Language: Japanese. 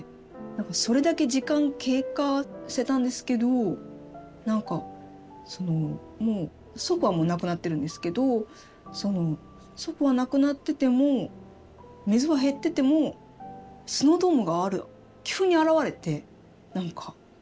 何かそれだけ時間経過してたんですけど何かもう祖父はもう亡くなってるんですけどその祖父は亡くなってても水は減っててもスノードームがある急に現れて何かすごいうれしかったんですよね。